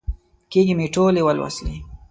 کېږې مې ټولې ولوسلې.